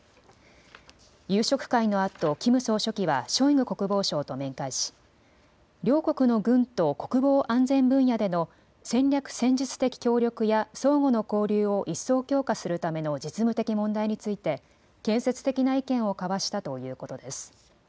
夕食会のあと、キム総書記はショイグ国防相と面会し両国の軍と国防安全分野での戦略・戦術的協力や相互の交流を一層強化するための実務的問題について建設的な意見を交わしたということです。